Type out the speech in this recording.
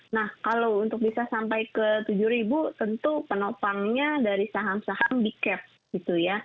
nah kalau untuk bisa sampai ke tujuh ribu tentu penopangnya dari saham saham big caps